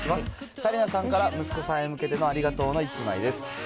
紗理奈さんから息子さんへ向けてのありがとうの１枚です。